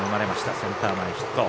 センター前ヒット。